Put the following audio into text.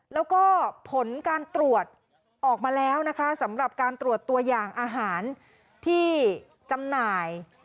แล้วก็ผลการตรวจออกมาแล้วนะคะสำหรับการตรวจตัวอย่างอาหารที่จำหน่าย